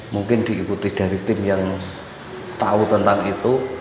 mungkin diikuti dari tim yang tahu tentang itu